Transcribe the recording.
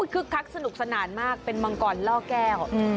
คักสนุกสนานมากเป็นมังกรล่อแก้ว